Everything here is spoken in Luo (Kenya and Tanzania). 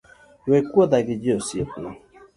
We kuodha gi ji osiepna